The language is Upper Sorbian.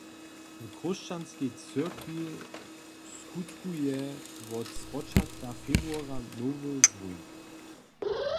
W Chróšćanskej cyrkwi skutkuje wot spočatka februara nowy zwóńk.